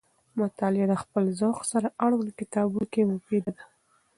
مطالعه د خپل ذوق سره اړوند کتابونو کې مفیده ده.